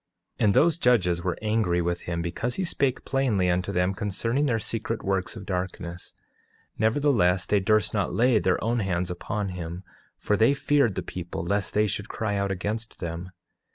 8:4 And those judges were angry with him because he spake plainly unto them concerning their secret works of darkness; nevertheless, they durst not lay their own hands upon him, for they feared the people lest they should cry out against them.